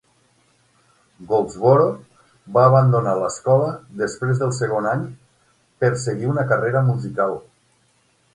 Goldsboro va abandonar l'escola després del segon any per seguir una carrera musical.